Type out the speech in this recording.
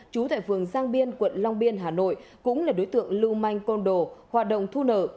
trú tại phường giang biên quận long biên hà nội cũng là đối tượng lưu manh côn đồ hoạt động thu nợ